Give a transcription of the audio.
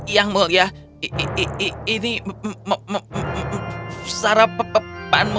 yang mulia ini sarah pepanmu